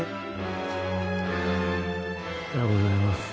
おはようございます。